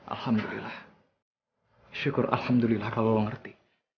alhamdulillah syukur alhamdulillah kalau lo ngerti